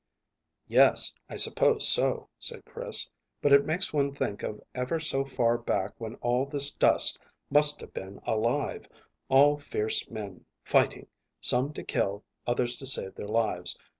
"Yes, I suppose so," said Chris thoughtfully; "but it makes one think of ever so far back when all this dust must have been alive all fierce men, fighting, some to kill, others to save their lives.